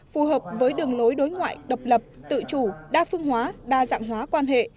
phù hợp với đường lối đối ngoại độc lập tự chủ đa phương hóa đa dạng hóa quan hệ